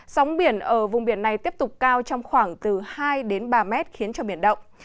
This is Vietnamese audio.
sóng biển ở vùng biển này tiếp tục cao trong khoảng từ hai đến ba mét khiến cho biển động